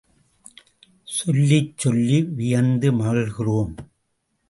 சொல்லிச் சொல்லி வியந்து மகிழ்கிறோம்.